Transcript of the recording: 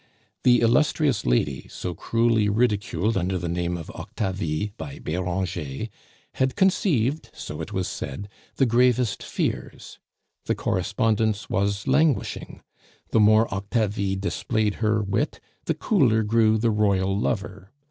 The illustrious lady, so cruelly ridiculed under the name of Octavie by Beranger, had conceived (so it was said) the gravest fears. The correspondence was languishing. The more Octavie displayed her wit, the cooler grew the royal lover.